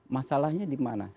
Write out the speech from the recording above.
masalahnya di mana